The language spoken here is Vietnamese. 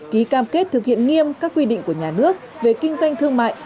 ký cam kết thực hiện nghiêm các quy định của nhà nước về kinh doanh thương mại